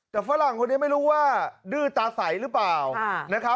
แต่ฝรั่งคนเนี่ยไม่รู้ว่าดื้อตาใสหรือเปล่า